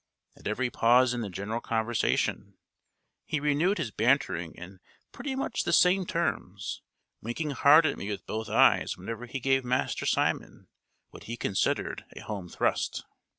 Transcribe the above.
At every pause in the general conversation, he renewed his bantering in pretty much the same terms; winking hard at me with both eyes whenever he gave Master Simon what he considered a home thrust.